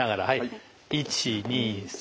１２３。